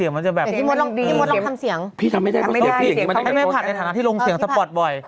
มันจะแบบ